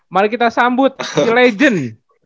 mari kita sambut legend